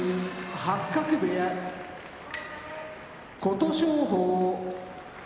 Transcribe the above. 八角部屋琴勝峰